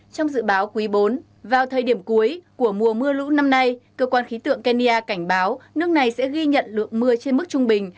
trong dự báo quý bốn vào thời điểm cuối của mùa mưa lũ năm nay cơ quan khí tượng kenya cảnh báo nước này sẽ ghi nhận lượng mưa trên mức trung bình